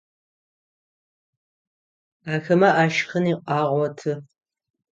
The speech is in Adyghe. Ахэмэ ашхын агъоты.